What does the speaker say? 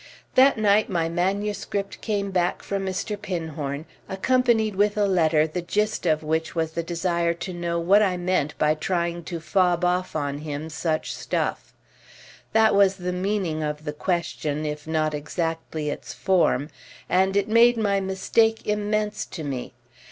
That night my manuscript came back from Mr. Pinhorn, accompanied with a letter the gist of which was the desire to know what I meant by trying to fob off on him such stuff. That was the meaning of the question, if not exactly its form, and it made my mistake immense to me.